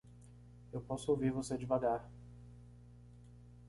Eu posso ouvir você devagar.